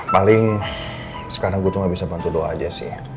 paling sekarang gue cuma bisa bantu doa aja sih